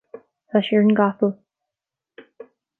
tá sé ar an gcapall